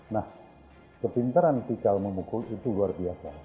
nah kepintaran pikal memukul itu luar biasa